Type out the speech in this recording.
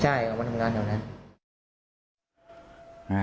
ใช่เวลามันมาทำงานเดี๋ยวนั้น